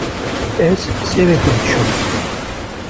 Ez sêvekê dişom.